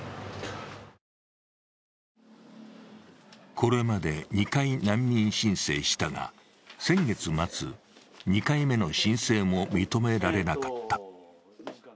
これまで２回、難民申請したが、先月末、２回目の申請も認められなかった。